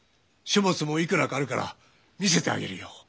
書物もいくらかあるから見せてあげるよ。